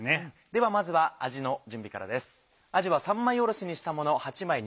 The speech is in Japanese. ではまずはあじの準備からです。